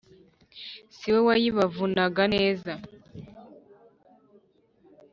si we wayibavunaga neza,